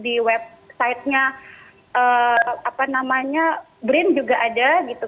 di websitenya apa namanya brin juga ada gitu